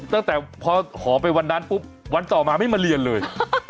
ตั้งแต่พอหอไปวันนั้นปุ๊บวันต่อมาไม่มาเรียนเลย